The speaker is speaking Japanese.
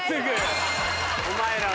お前らは。